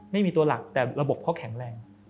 ไม่มีตัวหลักแต่ระบบเขาแข็งแรง